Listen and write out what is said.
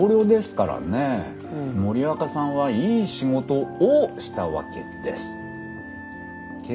森若さんはいい仕事をしたわけです。